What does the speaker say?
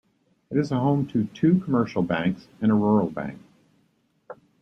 It is home to two commercial banks and a rural bank.